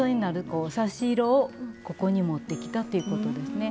こうさし色をここに持ってきたっていうことですね。